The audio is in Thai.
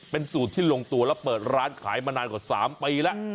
เป็นสูตรที่ลงตัวและเปิดร้านขายมานานกว่า๓ปีแล้ว